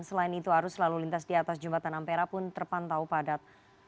selain itu arus lalu lintas di atas jembatan ampera pun terpantau padat